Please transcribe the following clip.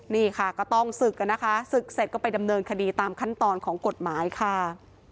นี่ค่ะก็ต้องศึกกันนะคะศึกเสร็จก็ไปดำเนินคดีตามขั้นตอนของกฎหมายค่ะ